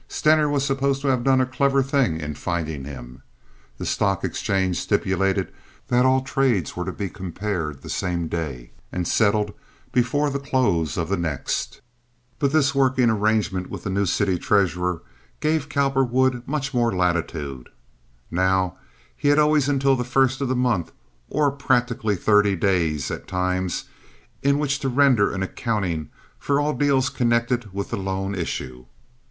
Stener was supposed to have done a clever thing in finding him. The stock exchange stipulated that all trades were to be compared the same day and settled before the close of the next; but this working arrangement with the new city treasurer gave Cowperwood much more latitude, and now he had always until the first of the month, or practically thirty days at times, in which to render an accounting for all deals connected with the loan issue.